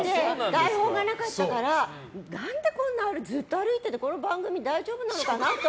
台本がなかったから、何でこんなずっと歩いててこの番組大丈夫なのかなって。